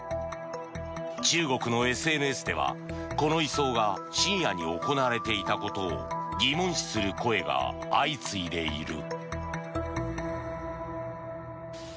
中国のＳＮＳでは、この移送が深夜に行われていたことを疑問視する声が相次いでいる。